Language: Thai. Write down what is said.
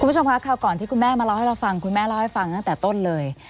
คุณผู้ชมคะคราวก่อนที่คุณแม่มาเล่าให้เราฟังคุณแม่เล่าให้ฟังตั้งแต่ต้นเลย